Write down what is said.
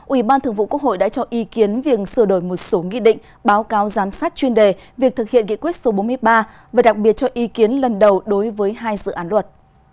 ủy ban thường vụ quốc hội đã cho ý kiến việc sửa đổi một số nghị định báo cáo giám sát chuyên đề việc thực hiện nghị quyết số bốn mươi ba và đặc biệt cho ý kiến lần đầu đối với hai dự án luật